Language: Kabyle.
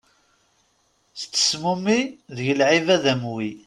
Tettesmumi deg lɛibad am wi.